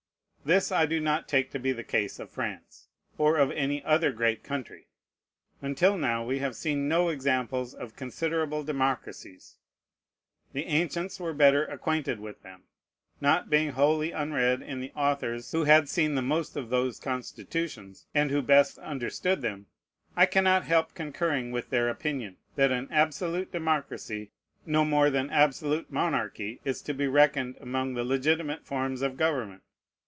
This I do not take to be the case of France, or of any other great country. Until now, we have seen no examples of considerable democracies. The ancients were better acquainted with them. Not being wholly unread in the authors who had seen the most of those constitutions, and who best understood them, I cannot help concurring with their opinion, that an absolute democracy no more than absolute monarchy is to be reckoned among the legitimate forms of government.